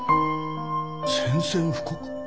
宣戦布告？